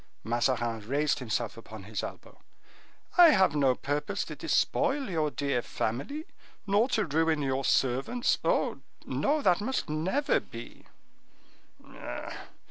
Mazarin raised himself upon his elbow. "I have no purpose to despoil your dear family, nor to ruin your servants. Oh, no, that must never be!"